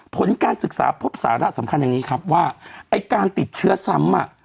ผลการศึกษาพบสาระสำคัญอย่างนี้ครับว่าไอ้การติดเชื้อซ้ำ